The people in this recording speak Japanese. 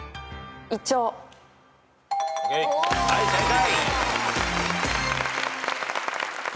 はい正解。